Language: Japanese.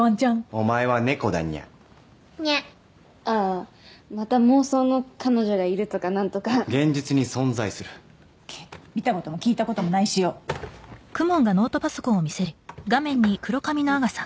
お前は猫だニャーニャーああーまた妄想の彼女がいるとかなんとか現実に存在するケッ見たことも聞いたこともないしよん？